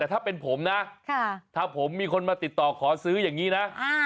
แต่ถ้าเป็นผมนะถ้าผมมีคนมาติดต่อขอซื้ออย่างนี้นะ